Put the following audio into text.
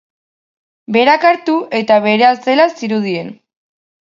Berak hartu eta berea zela zirudien.